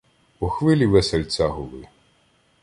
По хвилі весельця гули.